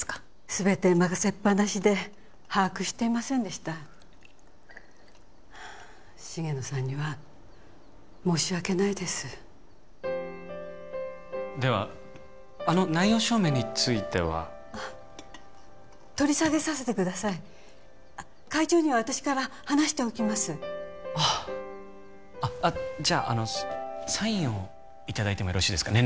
全て任せっぱなしで把握していませんでした重野さんには申し訳ないですではあの内容証明についてはあっ取り下げさせてください会長には私から話しておきますあっあっあっじゃああのサインをいただいてもよろしいですか？